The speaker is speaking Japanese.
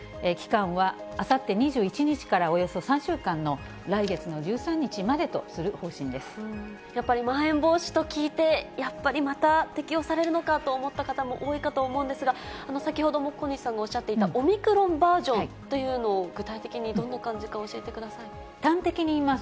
期間はあさって２１日からおよそ３週間の来月の１３日までとするやっぱりまん延防止と聞いて、やっぱりまた適用されるのかと思った方も多いかと思うんですが、先ほども小西さんがおっしゃっていたオミクロンバージョンというのを具体的にどんな感じか教えてください。